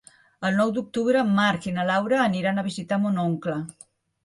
El nou d'octubre en Marc i na Laura aniran a visitar mon oncle.